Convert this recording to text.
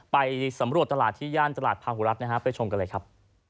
ไปสำรวจตลาดที่ย่านตลาดพาหุรัฐนะฮะไปชมกันเลยครับ